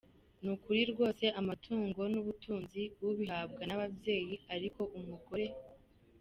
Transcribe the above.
Nukuri rwose amatungo nubutunzi ubihabwa nababyeyi ariko umugore.